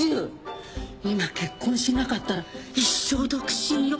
今結婚しなかったら一生独身よ。